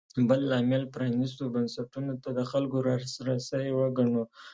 بل لامل پرانېستو بنسټونو ته د خلکو لاسرسی وګڼو.